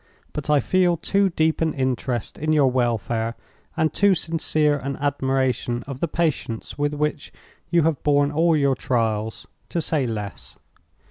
But I feel too deep an interest in your welfare, and too sincere an admiration of the patience with which you have borne all your trials, to say less.